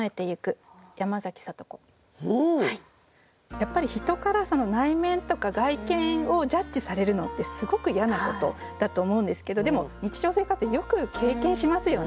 やっぱり人から内面とか外見をジャッジされるのってすごく嫌なことだと思うんですけどでも日常生活でよく経験しますよね。